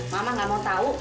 mama nggak mau tahu